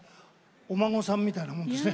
お孫さんみたいなもんですね。